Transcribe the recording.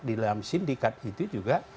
dalam sindikat itu juga